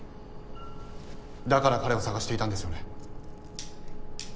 だから彼を捜していたんですよね？